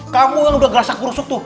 kamu yang udah gasak gurusuk tuh